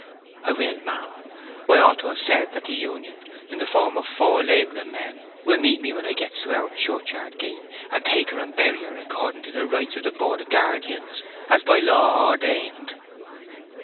"I will, ma'am. I ought to have said that the Union, in the form of four labouring men, will meet me when I gets to our churchyard gate, and take her and bury her according to the rites of the Board of Guardians, as by law ordained."